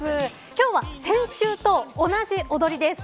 今日は先週と同じ踊りです。